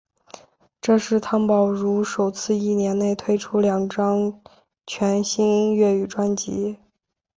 这是汤宝如首次一年内推出两张全新粤语专辑。